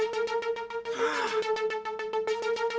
nanti badan aku sakit semua